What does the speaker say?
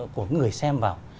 của người xem vào